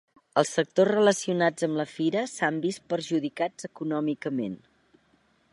Els sectors relacionats amb la fira s'han vist perjudicats econòmicament.